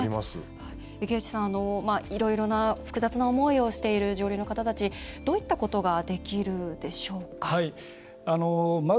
複雑な思いをしている上流の人たちどういったことができるでしょうか。